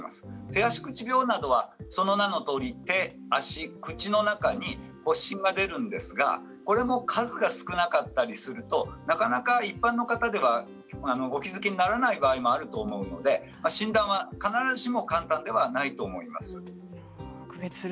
手足口病などはその名のとおり手足口の中に発疹が出るんですがこれも数が少なかったりするとなかなか一般の方ではお気付きにならない場合もあると思うので診断は必ずしも簡単ではないと思います。